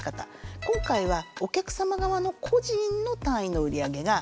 今回はお客様側の個人の単位の売り上げがどうなのか。